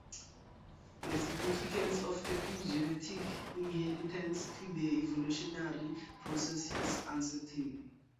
The significance of epigenetic inheritance to the evolutionary process is uncertain.